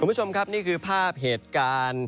คุณผู้ชมครับนี่คือภาพเหตุการณ์